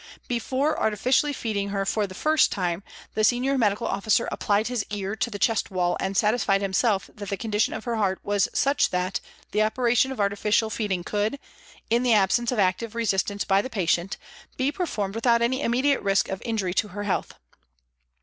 Before artificially feeding her for the first time, the senior medical officer applied his ear to the chest wall and satisfied himself that the condition of her heart was such that the operation of artificial feeding could, in the absence of active resistance by the patient, be performed without any immediate risk of injury to her health.